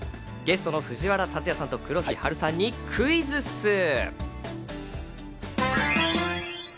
ゲストの藤原竜也さんと黒木華さんにクイズッス。